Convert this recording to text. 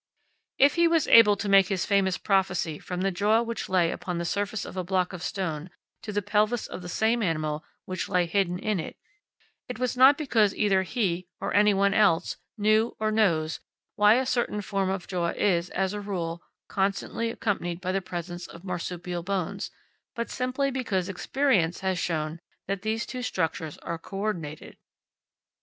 If he was able to make his famous prophecy from the jaw which lay upon the surface of a block of stone to the pelvis of the same animal which lay hidden in it, it was not because either he, or any one else, knew, or knows, why a certain form of jaw is, as a rule, constantly accompanied by the presence of marsupial bones, but simply because experience has shown that these two structures are co ordinated.